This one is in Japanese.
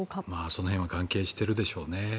その辺は関係しているでしょうね。